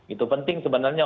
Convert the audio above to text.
itu penting sebenarnya